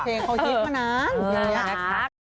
เพลงเขาชิดมานาน